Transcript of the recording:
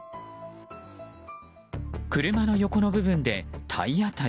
車の横の部分で体当たり。